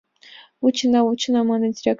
— Вучена, вучена, — мане директор.